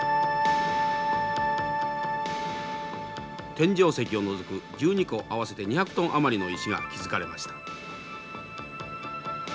天井石を除く１２個合わせて２００トン余りの石が築かれました。